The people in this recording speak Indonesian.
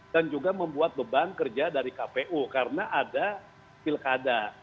dan juga membuat beban kerja dari kpu karena ada pilkada